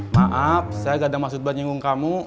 maaf saya gak ada maksud buat nyinggung kamu